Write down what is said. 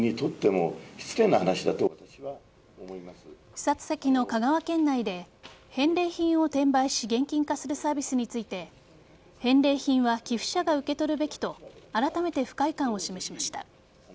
視察先の香川県内で返礼品を転売し現金化するサービスについて返礼品は寄付者が受け取るべきとあらためて不快感を示しました。